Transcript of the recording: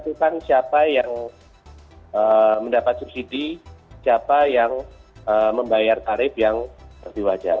menentukan siapa yang mendapat subsidi siapa yang membayar tarif yang lebih wajar